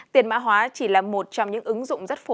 tiền mã hóa chỉ là một trong những ứng dụng rất phù hợp